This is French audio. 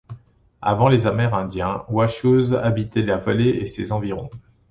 Avant les Amérindiens Washoes habitaient la vallée et ses environs.